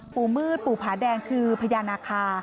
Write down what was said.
ปู่มืดปู่ผาแดงคือพญานาคา